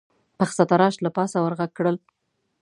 پخڅه تراش له پاسه ور غږ کړل: